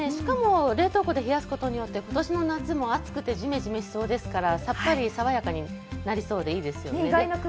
冷凍庫で冷やすことで今年の夏も暑くてジメジメしそうですからさっぱりさわやかになりそうです。